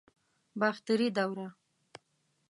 باختري دوره